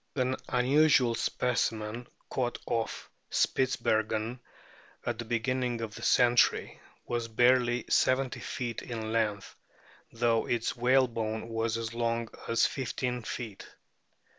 An unusual specimen caught off Spitzbergen at the beginning of the century was barely 70 feet in length, though its whalebone was as long as 15 feet.